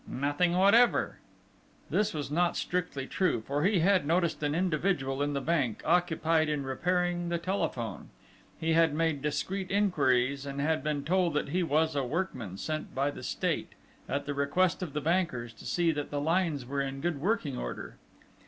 "Nothing whatever." This was not strictly true; for he had noticed an individual in the bank, occupied in repairing the telephone. He had made discreet inquiries, and had been told that he was a workman sent by the State, at the request of the bankers, to see that the lines were in good working order.